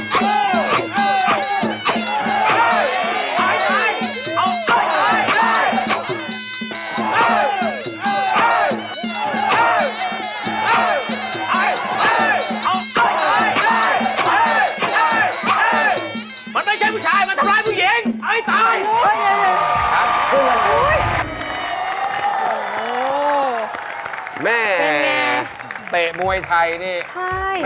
กูไม่แซวแล้ว